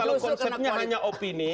kalau konsepnya hanya opini